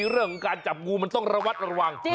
เรื่องของการจับงูมันต้องระวัดระวัง